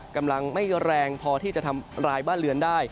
กำลังไม่แรงพอที่จะทำลายบ้านเรือนได้